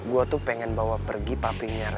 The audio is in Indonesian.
gue tuh pengen bawa pergi papinya reva di rumah